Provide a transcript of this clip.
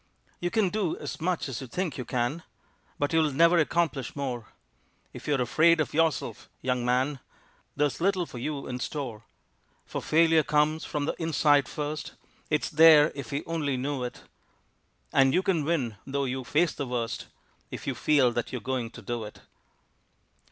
You can do as much as you think you can, But you'll never accomplish more; If you're afraid of yourself, young man, There's little for you in store. For failure comes from the inside first, It's there if we only knew it, And you can win, though you face the worst, If you feel that you're going to do it.